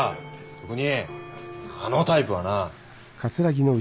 特にあのタイプはな。